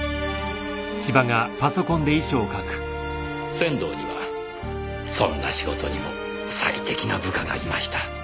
仙道にはそんな仕事にも最適な部下がいました。